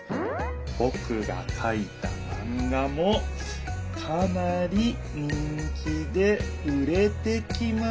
ぼくがかいたマンガもかなり人気で売れてきましたよ」っと！